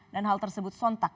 dan hal tersebut sontak